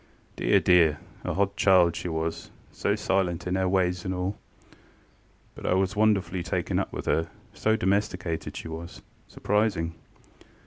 Dear, dear! a hodd child she was, so silent in her ways and all, but I was wonderful taken up with her, so domesticated she wasŌĆösurprising.